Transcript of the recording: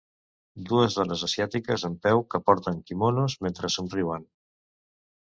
Dues dones asiàtiques en peu que porten kimonos mentre somriuen.